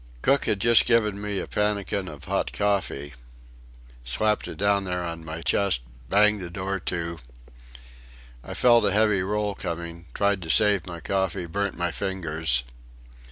"Cook had just given me a pannikin of hot coffee.... Slapped it down there, on my chest banged the door to.... I felt a heavy roll coming; tried to save my coffee, burnt my fingers...